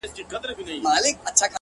ستا د خولې سا;